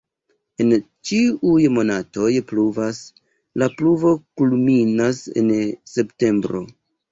En ĉiuj monatoj pluvas, la pluvo kulminas en septembro.